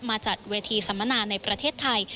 มาจัดเวทีสัมมนาในประเทศไทย